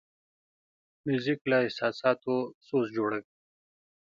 موزیک له احساساتو سوز جوړوي.